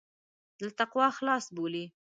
له تقوا خلاص بولي.